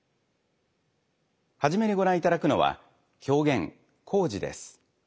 初めにご覧いただくのは狂言「柑子」です。